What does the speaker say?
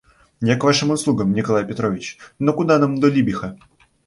Я к вашим услугам, Николай Петрович; но куда нам до Либиха!